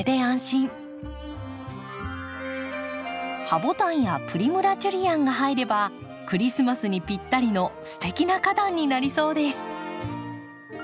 ハボタンやプリムラ・ジュリアンが入ればクリスマスにぴったりのすてきな花壇になりそうです。